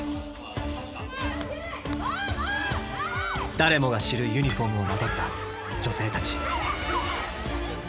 誰もが知るユニフォームをまとった女性たち。